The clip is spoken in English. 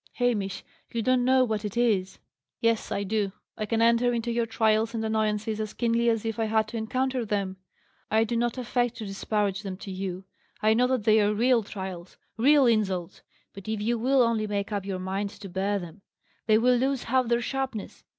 "Hamish, you don't know what it is!" "Yes, I do. I can enter into your trials and annoyances as keenly as if I had to encounter them. I do not affect to disparage them to you: I know that they are real trials, real insults; but if you will only make up your mind to bear them, they will lose half their sharpness.